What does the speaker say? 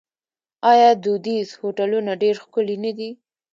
آیا دودیز هوټلونه ډیر ښکلي نه دي؟